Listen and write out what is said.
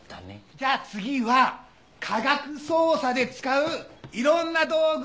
じゃあ次は科学捜査で使ういろんな道具を見せてもらおう。